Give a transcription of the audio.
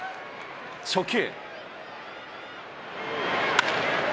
初球。